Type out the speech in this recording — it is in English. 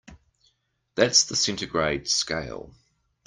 That's the centigrade scale.